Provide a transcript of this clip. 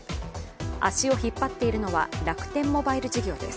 足を引っ張っているのは楽天モバイル事業です。